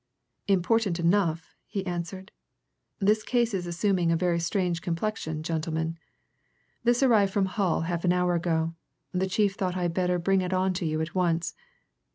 "Important enough," he answered. "This case is assuming a very strange complexion, gentlemen. This arrived from Hull half an hour ago, and the chief thought I'd better bring it on to you at once.